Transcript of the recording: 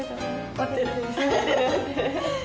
舞ってる。